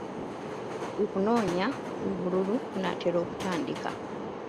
Okunoonya obululu kunaatera okutandika.